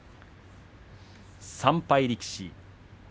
３敗力士。